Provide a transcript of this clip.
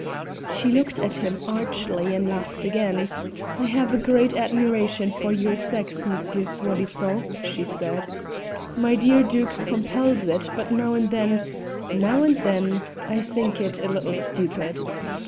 She looked at him archly and laughed again. "I have a great admiration for your sex, M. Soi disant," she said; "my dear Duke compels it, but now and then now and then I think it a little stupid.